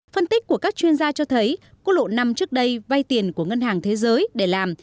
phân tích của các chuyên gia cho thấy quốc lộ năm trước đây vay tiền của ngân hàng thế giới để làm